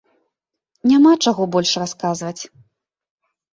Няма чаго больш расказваць.